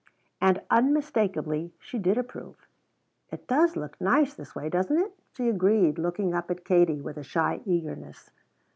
And unmistakably she did approve. "It does look nice this way, doesn't it?" she agreed, looking up at Katie with a shy eagerness.